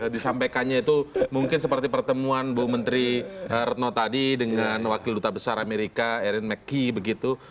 disampaikannya itu mungkin seperti pertemuan bu menteri retno tadi dengan wakil duta besar amerika erin mckey begitu